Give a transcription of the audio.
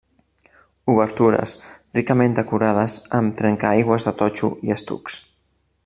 Obertures ricament decorades amb trencaaigües de totxo i estucs.